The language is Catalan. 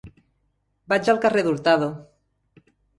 Vaig al carrer d'Hurtado.